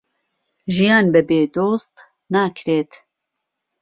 ژیان بەبێ دۆست ناکرێت